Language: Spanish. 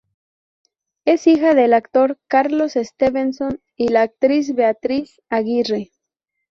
Es hija del actor Carlos Stevenson y la actriz Beatriz Aguirre.